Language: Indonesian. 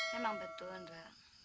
memang betul ndra